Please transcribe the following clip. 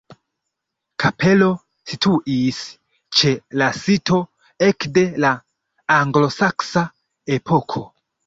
Kapelo situis ĉe la sito ekde la anglosaksa epoko.